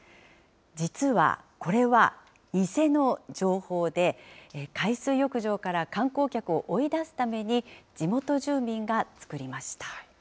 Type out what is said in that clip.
実は、これは偽の情報で、海水浴場から観光客を追い出すために、地元住民が作りました。